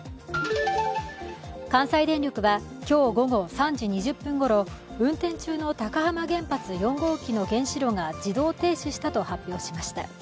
関西電力は今日午後３時２０分ごろ運転中の高浜原発４号機の原子炉が自動停止したと発表しました。